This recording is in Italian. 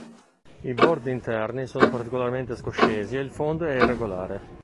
I bordi interni sono particolarmente scoscesi ed il fondo è irregolare.